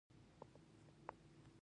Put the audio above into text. د چرګانو کورني فارمونه ګټور دي